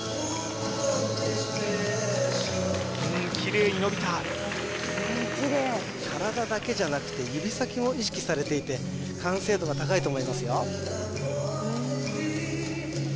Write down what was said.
うんキレイに伸びた体だけじゃなくて指先も意識されていて完成度が高いと思いますよ